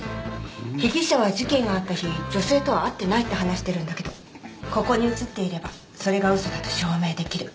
被疑者は事件があった日女性とは会っていないって話してるんだけどここに映っていればそれが嘘だと証明できる。